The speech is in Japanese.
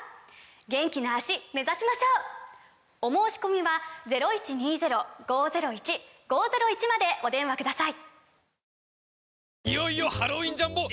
元気な脚目指しましょう！お申込みはお電話ください